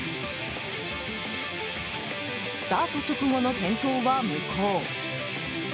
スタート直後の転倒は、無効。